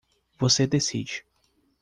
Você decide.